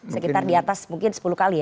sekitar di atas mungkin sepuluh kali ya